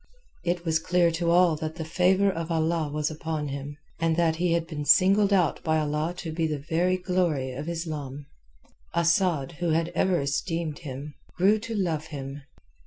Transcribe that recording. It was clear to all that the favour of Allah was upon him, that he had been singled out by Allah to be the very glory of Islam. Asad, who had ever esteemed him, grew to love him.